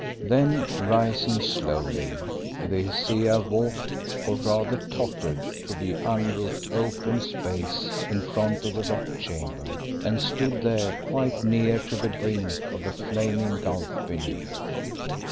Then, rising slowly, the Hesea walked, or rather tottered to the unroofed open space in front of the rock chamber, and stood there quite near to the brink of the flaming gulf beneath.